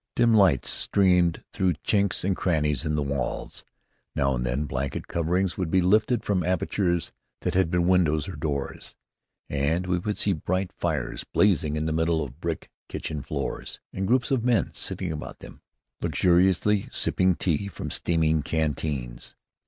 Dim lights streamed through chinks and crannies in the walls. Now and then blanket coverings would be lifted from apertures that had been windows or doors, and we would see bright fires blazing in the middle of brick kitchen floors, and groups of men sitting about them luxuriously sipping tea from steaming canteens.